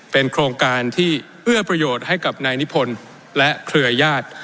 เป็นโครงการที่เอื้อประโยชน์ให้กับนายนิพนธ์และเครือญาติ